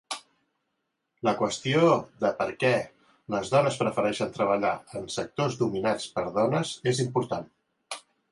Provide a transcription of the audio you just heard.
La qüestió de per què les dones prefereixen treballar en sectors dominats per dones és important.